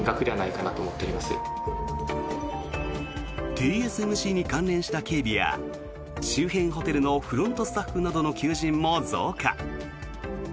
ＴＳＭＣに関連した警備や周辺ホテルのフロントスタッフなどの求人も増加。